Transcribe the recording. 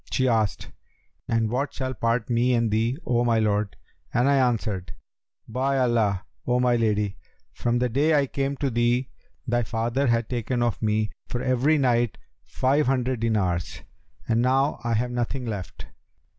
She asked, 'And what shall part me and thee, O my lord?'; and I answered, 'By Allah, O my lady, from the day I came to thee, thy father hath taken of me, for every night, five hundred dinars, and now I have nothing left.